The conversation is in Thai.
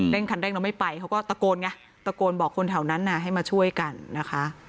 คันแรกแล้วไม่ไปเขาก็ตะโกนไงตะโกนบอกคนแถวนั้นให้มาช่วยกันนะคะ